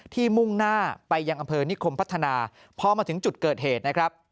มุ่งหน้าไปยังอำเภอนิคมพัฒนาพอมาถึงจุดเกิดเหตุนะครับ